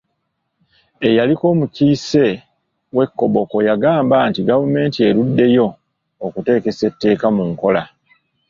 Eyaliko omukiise w'e Koboko yagamba nti gavumenti eruddeyo okuteekesa etteeka mu nkola.